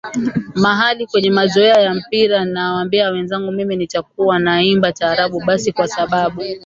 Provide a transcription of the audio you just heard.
mahali kwenye mazoezi ya mpira nawaambia wenzangu mimi nitakuwa naimba taarabu Basi kwa sababu